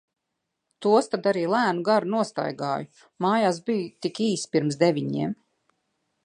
Tos tad arī lēnu garu nostaigāju. Mājās biju tik īsi pirms deviņiem.